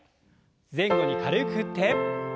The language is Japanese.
前後に軽く振って。